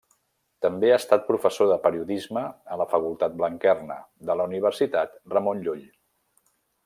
També ha estat professor de periodisme a la Facultat Blanquerna, de la Universitat Ramon Llull.